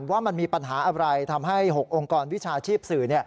ว่ามันมีปัญหาอะไรทำให้๖องค์กรวิชาชีพสื่อ